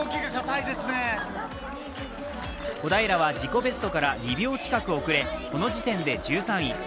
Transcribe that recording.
小平は自己ベストから２秒遅れ、この時点で１３位。